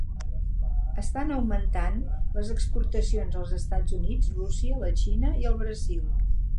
Estan augmentant les exportacions als Estats Units, Rússia, la Xina i el Brasil.